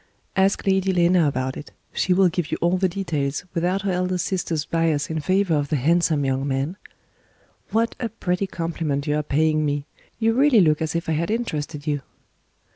Ask Lady Lena about it. She will give you all the details, without her elder sister's bias in favour of the handsome young man. What a pretty compliment you are paying me! You really look as if I had interested you."